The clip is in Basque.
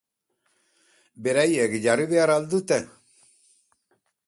Beraiek jarri behar al dute?